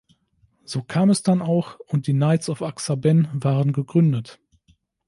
So kam es dann auch und die Knights of Ak-Sar-Ben waren gegründet.